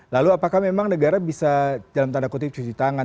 lalu apakah memang negara bisa dalam tanda kutip cuci tangan